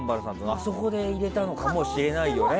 あそこで入れたのかもしれないね。